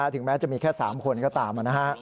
ถึงแม้จะมีแค่๓คนก็ตามนะฮะ